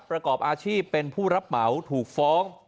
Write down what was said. ประกอบอาชีพเป็นผู้รับเหมาถูกฟ้อง